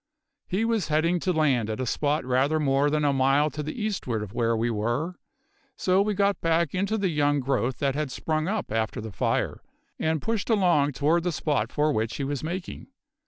He was heading to land at a spot rather more than a mile to the eastward of where we were, so we got back into the young growth that had sprung up after the fire, and pushed along toward the spot for which he was making.